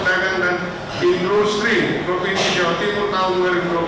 dagang dan industri provinsi jawa timur tahun dua ribu dua belas